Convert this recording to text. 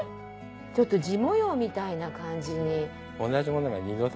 ちょっと地模様みたいな感じに。